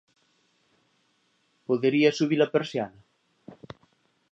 _¿Podería subi-la persiana?